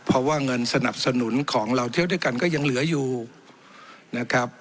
เพราะว่าเงินสนับสนุนของเราเที่ยวด้วยกันก็ยังเหลืออยู่นะครับ